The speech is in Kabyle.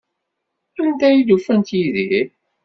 Anda ay d-ufant Yidir?